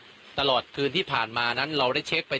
ตอนนี้ผมอยู่ในพื้นที่อำเภอโขงเจียมจังหวัดอุบลราชธานีนะครับ